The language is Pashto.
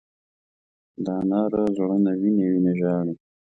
د انارو زړونه وینې، وینې ژاړې